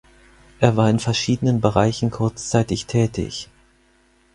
Er war in verschiedenen Bereichen kurzzeitig tätig.